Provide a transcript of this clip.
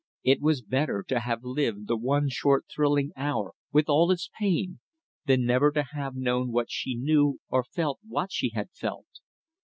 It was better to have lived the one short thrilling hour with all its pain, than never to have known what she knew or felt what she had felt.